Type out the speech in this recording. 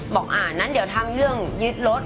บอกอ่างั้นเดี๋ยวทำเรื่องยึดรถ